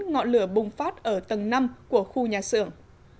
ngọn lửa bùng phát ở tầng năm của khu nhà xưởng